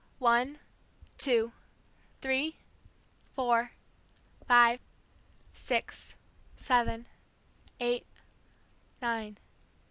One, two, three, four, five, six, seven, eight, nine